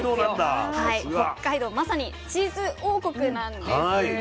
まさにチーズ王国なんです。